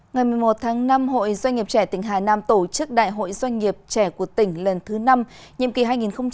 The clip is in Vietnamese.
ngày một mươi một tháng năm hội doanh nghiệp trẻ tỉnh hà nam tổ chức đại hội doanh nghiệp trẻ của tỉnh lần thứ năm nhiệm kỳ hai nghìn hai mươi hai nghìn hai mươi bốn